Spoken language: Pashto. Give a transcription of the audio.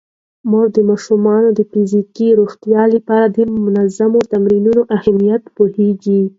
مور د ماشومانو د فزیکي روغتیا لپاره د منظمو تمرینونو اهمیت پوهیږي.